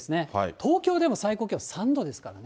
東京でも最高気温３度ですからね。